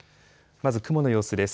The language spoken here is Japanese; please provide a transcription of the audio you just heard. まず雲の様子です。